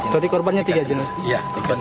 jadi korbannya tiga jenis